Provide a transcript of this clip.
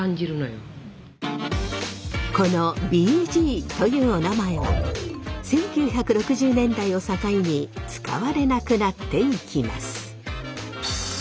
このＢＧというおなまえは１９６０年代を境に使われなくなっていきます。